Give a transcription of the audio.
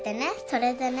それでね。